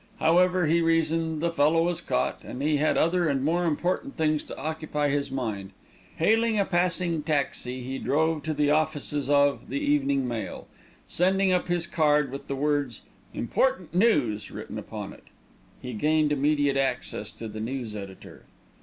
However, he reasoned, the fellow was caught, and he had other and more important things to occupy his mind. Hailing a passing taxi, he drove to the offices of The Evening Mail. Sending up his card with the words IMPORTANT NEWS written upon it, he gained immediate access to the news editor.